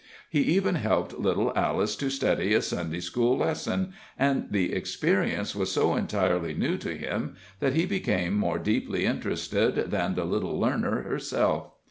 He even helped little Alice to study a Sunday school lesson, and the experience was so entirely new to him, that he became more deeply interested than the little learner herself.